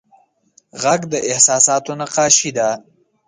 غږ د احساساتو نقاشي ده